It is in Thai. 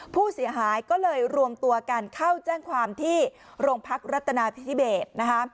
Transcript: ผู้เสียหายก็เลยรวมตัวกันเข้าแจ้งความที่โรงพักรัฐนาธิเบศนะคะ